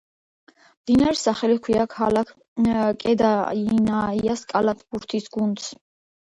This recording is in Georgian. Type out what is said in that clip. მდინარის სახელი ჰქვია ქალაქ კედაინიაის კალათბურთის გუნდს.